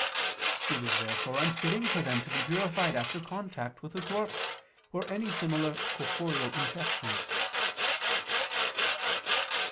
It was therefore unfitting for them to be purified after contact with a corpse, or any similar corporeal infection.